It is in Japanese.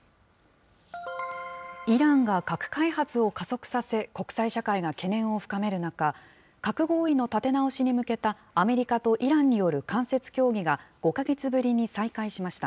イランが核開発を加速させ、国際社会が懸念を深める中、核合意の立て直しに向けたアメリカとイランによる間接協議が、５か月ぶりに再開しました。